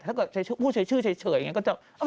ถ้าเกิดพูดเฉยชื่อเฉยอย่างนี้ก็จะ